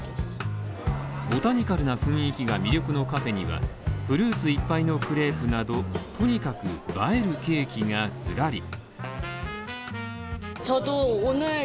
ボタニカルな雰囲気が魅力のカフェには、フルーツいっぱいのクレープなど、とにかく映えるケーキがズラリ。